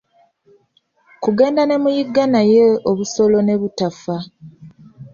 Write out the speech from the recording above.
Kugenda ne muyigga naye obusolo ne butafa.